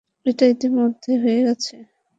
এটা ইতোমধ্যেই হয়ে গেছে?